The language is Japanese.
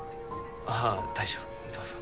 あぁ大丈夫どうぞ。